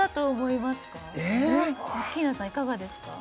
いかがですか？